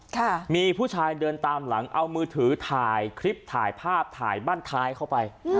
ค่ะมีผู้ชายเดินตามหลังเอามือถือถ่ายคลิปถ่ายภาพถ่ายบ้านท้ายเข้าไปอืม